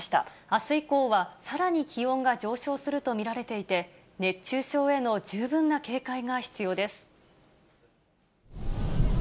あす以降は、さらに気温が上昇すると見られていて、熱中症への十分な警戒が必要です。